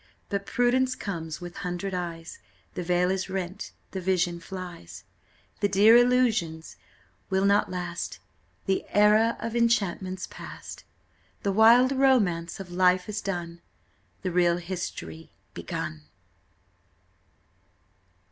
But prudence comes with hundred eyes, The veil is rent, the vision flies, The dear illusions will not last, The era of enchantment's past: The wild romance of life is done, The real history begun!"